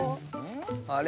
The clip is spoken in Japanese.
あれ？